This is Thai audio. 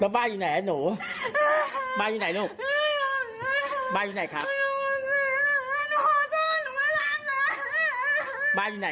มีดูแฟนที่ไฟน